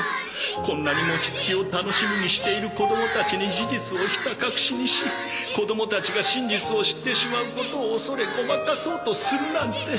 こんなに餅つきを楽しみにしている子供たちに事実をひた隠しにし子供たちが真実を知ってしまうことを恐れごまかそうとするなんて